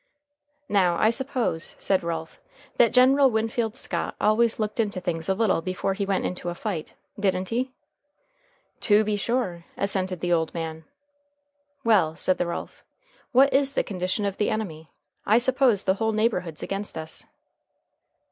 "Now, I suppose," said Ralph, "that General Winfield Scott always looked into things a little before he went into a fight. Didn't he?" "To be sure," assented the old man. "Well," said Ralph. "What is the condition of the enemy? I suppose the whole neighborhood's against us."